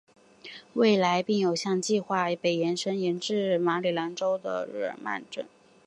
未来并有计画向北延伸至马里兰州的日耳曼镇。